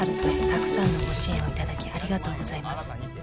「たくさんのご支援をいただきありがとうございます」